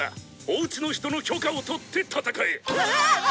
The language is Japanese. おうちの人の許可を取って戦え」うわ！